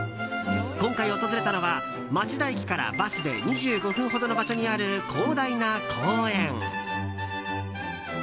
今回、訪れたのは町田駅からバスで２５分ほどの場所にある広大な公園。